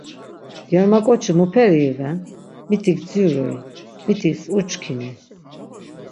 Germaǩoçi muperi iven, mitik dzirui, mitis uçkini?